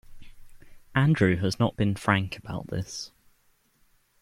Andrew has not been frank about this.